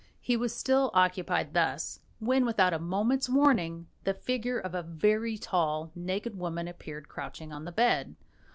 He was still occupied thus, when, without a moment's warning, the figure of a very tall, naked woman appeared crouching on the bed.